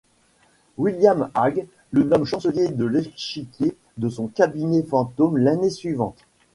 William Hague le nomme Chancelier de l'Échiquier de son cabinet fantôme l'année suivante.